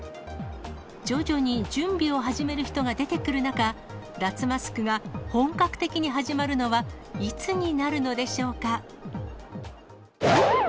徐々に準備を始める人が出てくる中、脱マスクが本格的に始まるのは、いつになるのでしょうか。